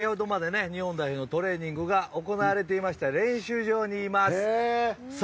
我々はつい先ほどまで日本代表のトレーニングが行われていた練習場にいます。